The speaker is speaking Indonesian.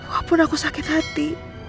walaupun aku sakit hati